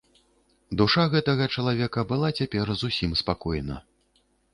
Душа гэтага чалавека была цяпер зусім спакойна.